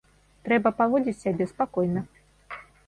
Трэба паводзіць сябе спакойна.